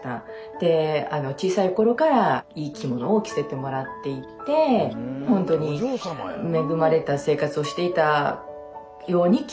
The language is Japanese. で小さい頃からいい着物を着せてもらっていてほんとに恵まれた生活をしていたように聞いてますけれども。